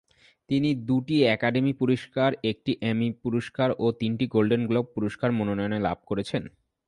তিনি দুটি একাডেমি পুরস্কার, একটি এমি পুরস্কার ও তিনটি গোল্ডেন গ্লোব পুরস্কারের মনোনয়ন লাভ করেন।